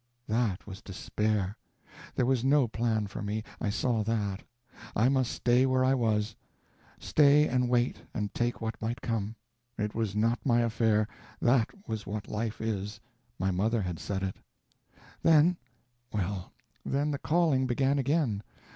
That was despair. There was no plan for me; I saw that; I must say where I was; stay, and wait, and take what might come it was not my affair; that was what life is my mother had said it. Then well, then the calling began again!